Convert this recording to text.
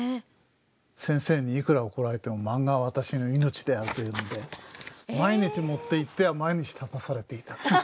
先生にいくら怒られてもマンガは私の命であるというんで毎日持っていっては毎日立たされていた。